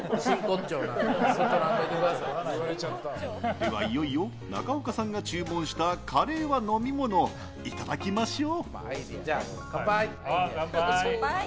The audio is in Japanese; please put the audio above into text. では、いよいよ中岡さんが注文したカレーは飲み物？をいただきましょう。